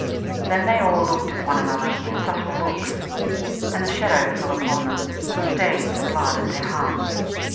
Then they all looked at one another with subtle looks, and a shadow fell upon them and stayed the blood at their hearts.